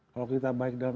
kalau kita baik dalam